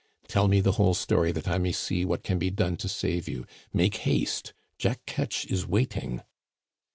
"Tell me the whole story, that I may see what can be done to save you; make haste, Jack Ketch is waiting."